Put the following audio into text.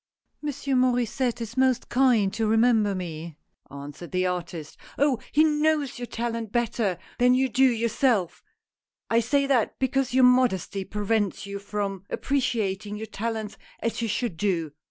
" Monsieur Maur^sset is most kind to remember me," answered the artist. " Oh ! he knows your talent better than you do your self. I say that, because your modesty prevents you from appreciating your talents as you should do.